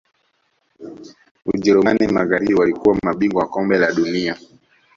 ujerumani magharibi walikuwa mabingwa wa kombe la dunia